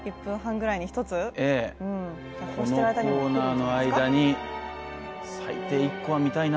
このコーナーの間に最低でも１個は見たいな。